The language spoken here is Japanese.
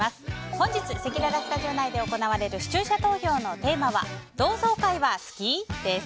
本日、せきららスタジオ内で行われる視聴者投票のテーマは同窓会は好き？です。